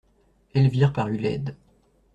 Elvire parut laide.